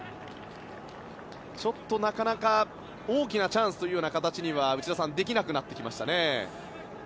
ちょっと、なかなか大きなチャンスというような形には内田さんできなくなってきましたね。